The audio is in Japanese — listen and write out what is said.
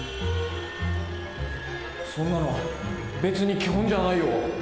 そんなの別に基本じゃないよ。